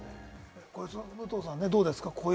武藤さん、どうですか？